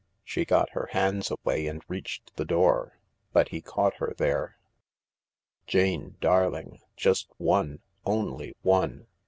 She got her hands away and reached the door. But he caught her there. " Jane, darling— just one—only one."